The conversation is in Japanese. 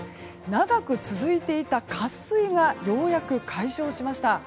長く続いていた渇水がようやく解消しました。